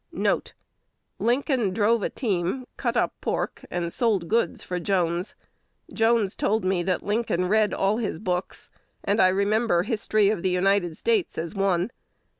1 "Lincoln drove a team, cut up pork, and sold goods for Jones. Jones told me that Lincoln read all his books, and I remember History of United States as one.